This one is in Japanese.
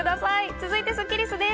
続いてスッキりす。